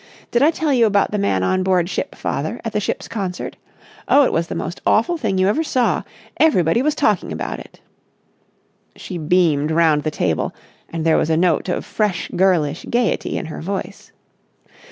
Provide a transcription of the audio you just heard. Did I tell you about the man on board ship, father, at the ship's concert? Oh, it was the most awful thing you ever saw. Everybody was talking about it!" She beamed round the table, and there was a note of fresh girlish gaiety in her voice.